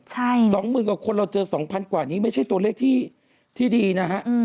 ๒หมื่นกว่าคนเราเจอ๒๐๐๐กว่านี้ไม่ใช่ตัวเลขที่ดีนะฮะ